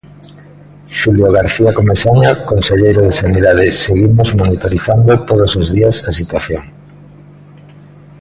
Xulio García Comesaña Conselleiro de Sanidade Seguimos monitorizando todos os días a situación.